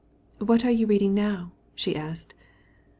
"What are you reading now?" she asked.